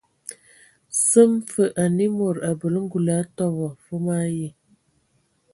Səm fə anə mod abələ ngul atɔbɔ e vom ayi.